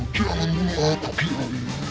jangan menangkap aku kiai